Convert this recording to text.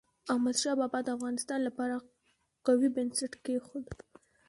احمد شاه بابا د افغانستان لپاره قوي بنسټ کېښود.